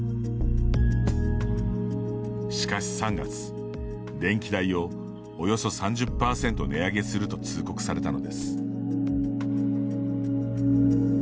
しかし、３月、電気代をおよそ３０％値上げすると通告されたのです。